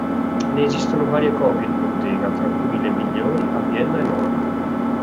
Ne esistono varie copie di bottega, tra cui le migliori a Vienna e Monaco.